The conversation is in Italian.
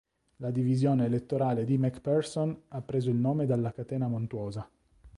La Divisione elettorale di McPherson ha preso il nome dalla catena montuosa.